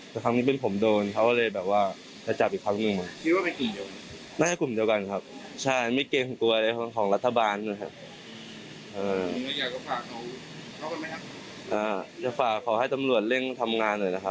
แต่ครั้งนี้เป็นผมโดนเขาเลยแบบว่าจะจับอีกครั้งหนึ่งมั้ง